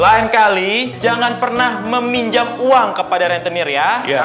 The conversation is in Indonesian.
lain kali jangan pernah meminjam uang kepada rentenir ya